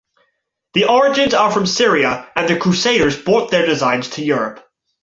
The origins are from Syria and the Crusaders brought their design to Europe.